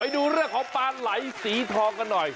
ดูเรื่องของปลาไหลสีทองกันหน่อย